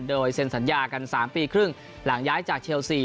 โดยเซ็นสัญญากัน๓ปีครึ่งหลังย้ายจากเชลซี